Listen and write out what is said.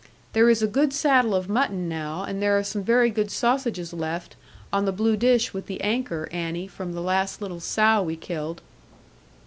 There is a good saddle of mutton now; and there are some very good sausages left, on the blue dish with the anchor, Annie, from the last little sow we killed.'